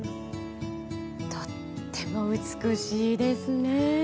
とても美しいですね。